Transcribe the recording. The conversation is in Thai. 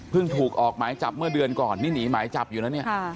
ถูกออกหมายจับเมื่อเดือนก่อนนี่หนีหมายจับอยู่นะเนี่ย